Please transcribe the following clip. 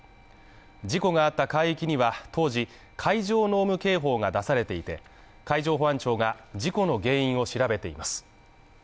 事故があった海域には当時、海上濃霧警報が出されていて、海上保安庁が事故の原因を調べています。